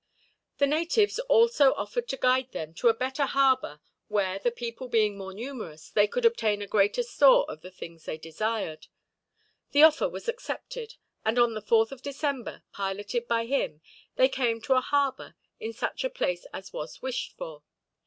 The natives also offered to guide them to a better harbor where, the people being more numerous, they could obtain a greater store of the things desired. The offer was accepted, and on the 4th of December, piloted by him, they came to a harbor in such a place as was wished for.